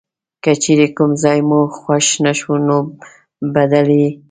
که چیرې کوم ځای مو خوښ نه شو نو بدل یې کړئ.